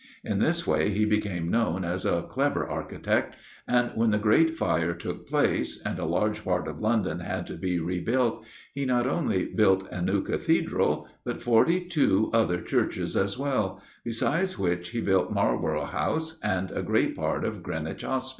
In this way he became known as a clever architect, and when the Great Fire took place, and a large part of London had to be rebuilt, he not only built a new Cathedral, but forty two other churches as well; besides which he built Marlborough House, and a great part of Greenwich Hospital.